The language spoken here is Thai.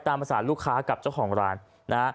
ตามภาษาลูกค้ากับเจ้าของร้านนะฮะ